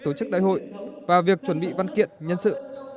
tổ chức đại hội và việc chuẩn bị văn kiện nhân sự